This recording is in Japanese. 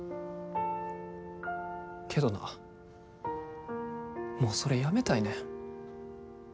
けどな、もうそれやめたいねん。